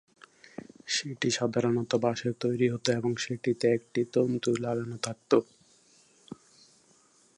সেটি সাধারণত বাঁশের তৈরি হত এবং সেটিতে একটি তন্তু লাগানো থাকত।